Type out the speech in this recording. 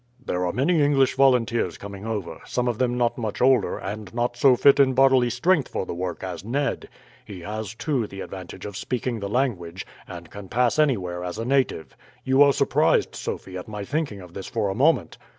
"There are many English volunteers coming over; some of them not much older, and not so fit in bodily strength for the work as Ned. He has, too, the advantage of speaking the language, and can pass anywhere as a native. You are surprised, Sophie, at my thinking of this for a moment."